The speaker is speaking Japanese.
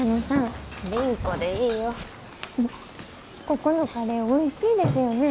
ここのカレーおいしいですよね。